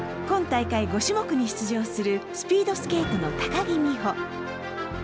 今大会５種目に出場するスピードスケートの高木美帆。